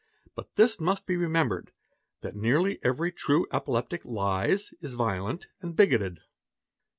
But this must be remembered, that nearly, every true epileptic lies, is violent, and bigoted.